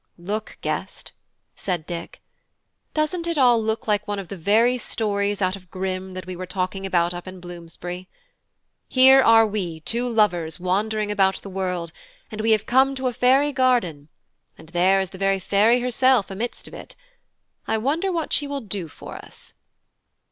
"Look, guest," said Dick; "doesn't it all look like one of those very stories out of Grimm that we were talking about up in Bloomsbury? Here are we two lovers wandering about the world, and we have come to a fairy garden, and there is the very fairy herself amidst of it: I wonder what she will do for us."